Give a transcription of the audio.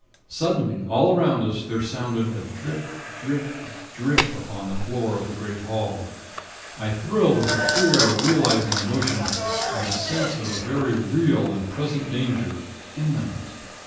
"Suddenly, all around us, there sounded a drip, drip, drip, upon the floor of the great hall. I thrilled with a queer, realizing emotion, and a sense of a very real and present danger _imminent.